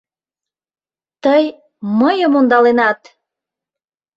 Тый мыйым ондаленат!..